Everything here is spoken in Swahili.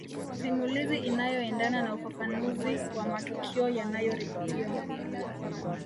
Simulizi inayoendana na ufafanuzi wa matukio yanayoripotiwa